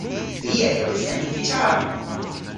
I a yll seni gitar.